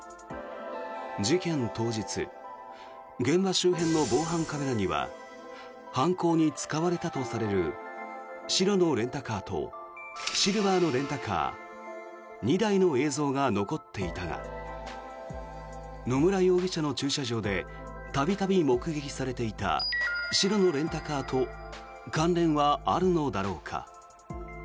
事件当日現場周辺の防犯カメラには犯行に使われたとされる白のレンタカーとシルバーのレンタカー２台の映像が残っていたが野村容疑者の駐車場で度々目撃されていた白のレンタカーと関連はあるのだろうか。